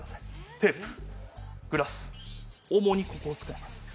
テープ、グラス主にここを使います。